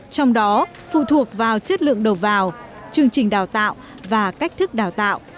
trong đó phụ thuộc vào chất lượng đầu vào chương trình đào tạo và cách thức đào tạo